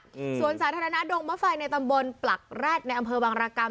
อืมสวนสาธารณะดงมะไฟในตำบลปลักแร็ดในอำเภอวังรากรรม